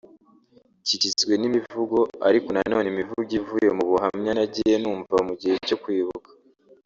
Kigizwe n’imivugo ariko nanone imivugo ivuye mu buhamya nagiye numva mu gihe cyo kwibuka